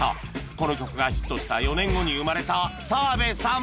この曲がヒットした４年後に生まれた澤部さん